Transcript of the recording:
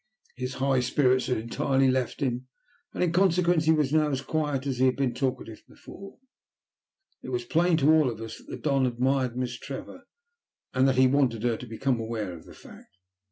His high spirits had entirely left him, and, in consequence, he was now as quiet as he had been talkative before. It was plain to all of us that the Don admired Miss Trevor, and that he wanted her to become aware of the fact.